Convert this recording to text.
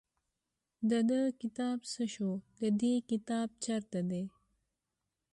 د ده کتاب څه شو د دې کتاب چېرته دی.